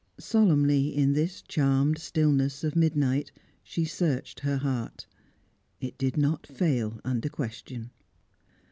Solemnly in this charmed stillness of midnight, she searched her heart. It did not fail under question.